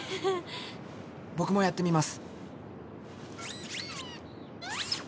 僕もやってみます。